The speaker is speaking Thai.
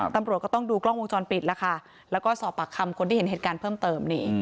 ตำรวจก็ต้องดูกล้องวงจรปิดแล้วค่ะแล้วก็สอบปากคำคนที่เห็นเหตุการณ์เพิ่มเติมนี่